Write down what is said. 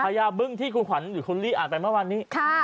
ญาบึ้งที่คุณขวัญหรือคุณลี่อ่านไปเมื่อวานนี้